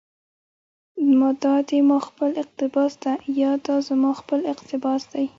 دا دي ما خپل اقتباس ده، يا دا زما خپل اقتباس دى